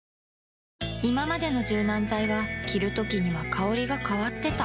いままでの柔軟剤は着るときには香りが変わってた